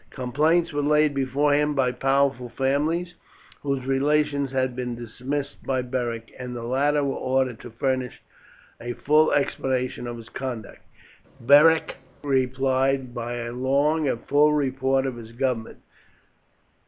Complaints were laid before him by powerful families, whose relations had been dismissed by Beric, and the latter was ordered to furnish a full explanation of his conduct. Beric replied by a long and full report of his government.